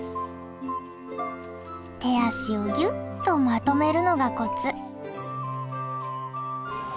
手足をぎゅっとまとめるのがコツ。